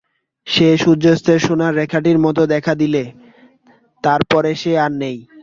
সে সূর্যাস্তের সোনার রেখাটির মতো দেখা দিলে, তার পরে সে আর নেই!